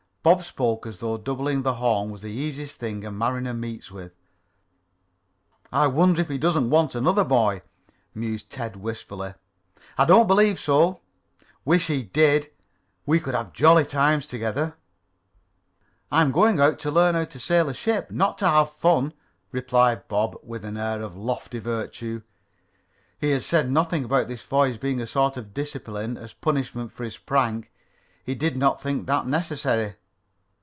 Bob spoke as though doubling the Horn was the easiest thing a mariner meets with. "I wonder if he doesn't want another boy," mused Ted wistfully. "Don't believe so." "Wish he did. We could have jolly times together." "I'm going out to learn how to sail a ship, not to have fun," replied Bob, with an air of lofty virtue. He had said nothing about this voyage being a sort of discipline as punishment for his prank. He did not think that necessary.